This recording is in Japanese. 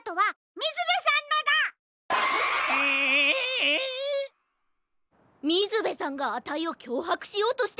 みずべさんがあたいをきょうはくしようとしてたってことか？